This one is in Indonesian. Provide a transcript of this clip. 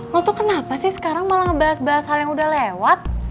lo tuh kenapa sih sekarang malah ngebahas bahas hal yang udah lewat